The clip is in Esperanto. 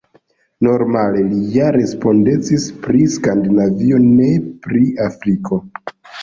Normale li ja respondecis pri Skandinavio, ne pri Afriko.